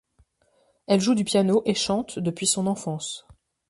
Elle joue du piano et chante depuis son enfance.